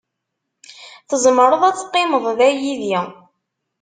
Tzemreḍ ad teqqimeḍ da yid-i.